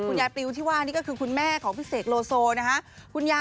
ยายปิวที่ว่านี่ก็คือคุณแม่ของพี่เสกโลโซนะฮะ